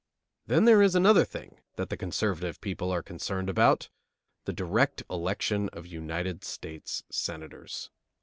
Then there is another thing that the conservative people are concerned about: the direct election of United States Senators.